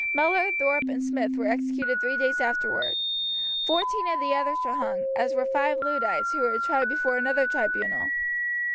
Mellor, Thorpe, and Smith were executed three days afterward. Fourteen of the others were hung, as were five Luddites who were tried before another tribunal.